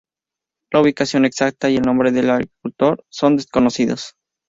La ubicación exacta y el nombre del agricultor son desconocidos.